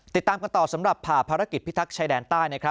ติดตามกันต่อสำหรับผ่าภารกิจพิทักษ์ชายแดนใต้